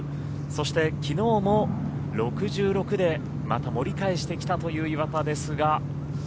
そして、きのうも６６でまた盛り返してきたという岩田ですが。